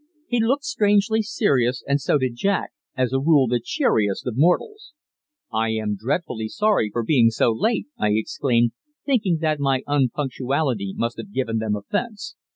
He looked strangely serious, and so did Jack, as a rule the cheeriest of mortals. "I am dreadfully sorry for being so late," I exclaimed, thinking that my unpunctuality must have given them offence.